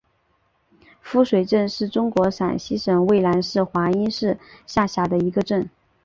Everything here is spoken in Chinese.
夫水镇是中国陕西省渭南市华阴市下辖的一个镇。